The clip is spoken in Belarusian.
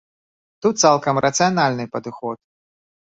Тут цалкам рацыянальны падыход.